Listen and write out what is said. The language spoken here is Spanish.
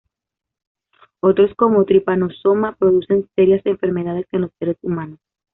Otros como "Trypanosoma" producen serias enfermedades en los seres humanos.